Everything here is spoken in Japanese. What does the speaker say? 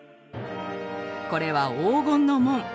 これは「黄金の門」。